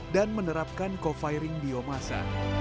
dan menerapkan co firing biomasa